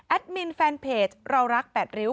แอดมินแฟนเพจเรารักแปดริ้ว